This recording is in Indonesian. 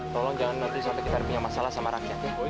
tolong jangan nanti kita punya masalah sama rakyat ya